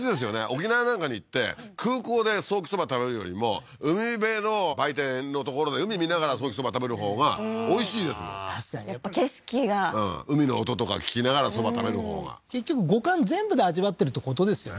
沖縄なんかに行って空港でソーキそば食べるよりも海辺の売店の所で海見ながらソーキそば食べるほうがおいしいですもんやっぱ景色が海の音とか聞きながらそば食べるほうが結局五感全部で味わってるってことですよね